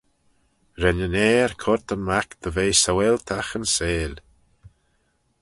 Ren yn Ayr coyrt yn Mac dy ve Saualtagh yn seihll.